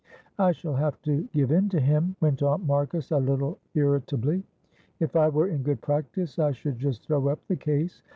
"I shall have to give in to him," went on Marcus, a little irritably. "If I were in good practice I should just throw up the case.